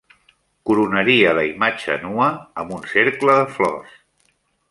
...coronaria la imatge nua amb un cercle de flors